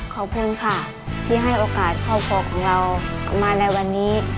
ขอบคุณค่ะที่ให้โอกาสครอบครัวของเรามาในวันนี้